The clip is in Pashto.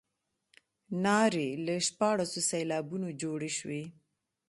نارې له شپاړسو سېلابونو جوړې شوې.